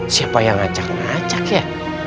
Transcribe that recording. siapa yang acak nacak ya